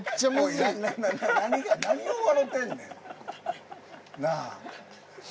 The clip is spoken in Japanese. なあ何を笑うてんねん。